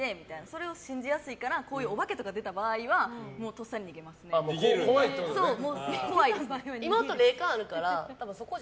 それを信じやすいからこういうお化けとか出た場合は妹、霊感あるから。